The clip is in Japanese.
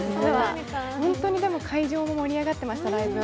ホントに会場も盛り上がってました、ライブ。